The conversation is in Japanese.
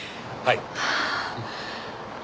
はい。